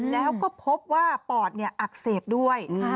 แล้วก็พบว่าปอดอักเสบด้วย